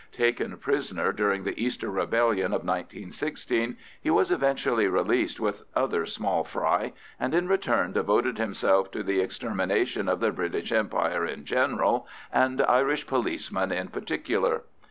Taken prisoner during the Easter rebellion of 1916, he was eventually released with other small fry, and in return devoted himself to the extermination of the British Empire in general, and Irish policemen in particular.